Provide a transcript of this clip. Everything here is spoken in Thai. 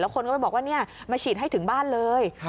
คนก็ไปบอกว่ามาฉีดให้ถึงบ้านเลย